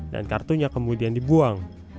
dan kartunya kemudian dibuang